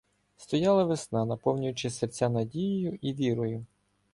Стояла весна, наповнюючи серця надією і вірою.